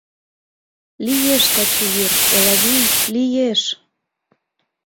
Лиеш таче йӱр, Элавий, лиеш!